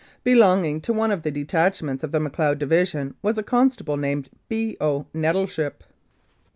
Belonging to one of the detachments of the Macleod Division was a constable named B. O. Nettleship.